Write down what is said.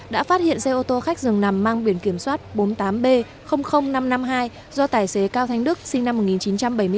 đã phát hiện xe ô tô khách dường nằm mang biển kiểm soát bốn mươi tám b năm trăm năm mươi hai do tài xế cao thanh đức sinh năm một nghìn chín trăm bảy mươi tám